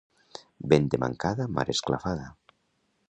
Vent de mancada, mar esclafada.